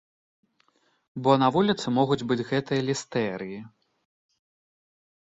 Бо на вуліцы могуць быць гэтыя лістэрыі.